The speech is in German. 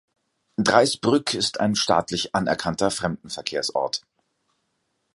Dreis-Brück ist ein staatlich anerkannter Fremdenverkehrsort.